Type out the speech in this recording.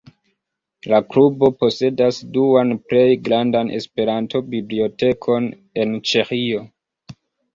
La Klubo posedas duan plej grandan Esperanto-bibliotekon en Ĉeĥio.